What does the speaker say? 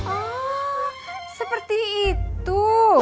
oh seperti itu